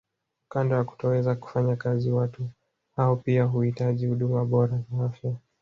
Kando ya kutoweza kufanya kazi watu hao pia huhitaji huduma bora za afya